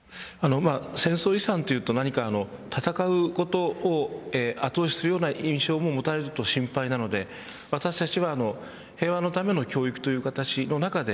戦争遺産というと、何か戦うことを後押しする印象を持たれると心配なので私たちは平和のための教育という形の中で